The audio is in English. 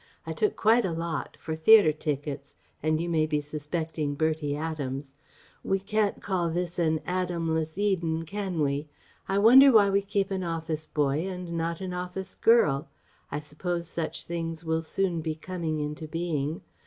I took quite a lot ... for theatre tickets ... and you may be suspecting Bertie Adams ... we can't call this an Adamless Eden, can we? I wonder why we keep an office boy and not an office girl? I suppose such things will soon be coming into being.